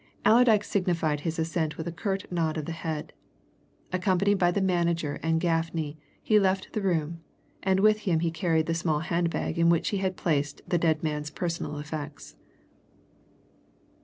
Allerdyke signified his assent with a curt nod of the head. Accompanied by the manager and Gaffney he left the room, and with him he carried the small hand bag in which he had placed the dead man's personal effects.